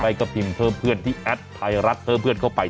ไปก็พิมพ์เพื่อนที่แอดไทรัสเพิ่มเพื่อนเข้าไป